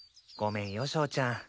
ごめんよショーちゃん。